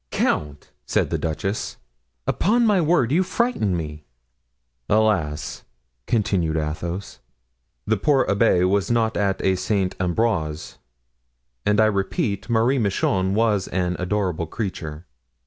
"Count," said the duchess, "upon my word, you frighten me." "Alas!" continued Athos, "the poor abbé was not a St. Ambroise, and I repeat, Marie Michon was an adorable creature."